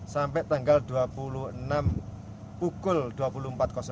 sampai tanggal dua puluh enam pukul dua puluh empat